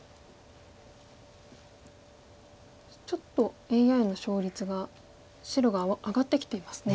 ちょっとＡＩの勝率が白が上がってきていますね。